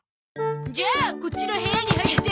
じゃあこっちの部屋に入って。